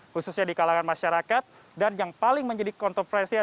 khususnya di kalangan masyarakat